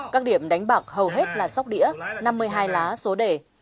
các điểm đánh bạc hầu hết là sóc đĩa năm mươi hai lá số đề